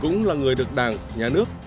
chúng là người được đảng nhà nước